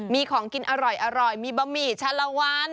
มีของกินอร่อยมีบะหมี่ชาลวัน